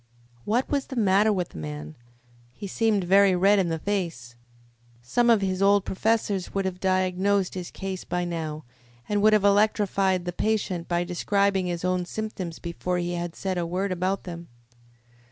What was the matter with the man? He seemed very red in the face. Some of his old professors would have diagnosed his case by now, and would have electrified the patient by describing his own symptoms before he had said a word about them.